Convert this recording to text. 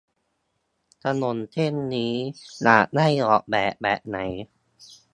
ถนนเส้นนี้อยากให้ออกแบบแบบไหน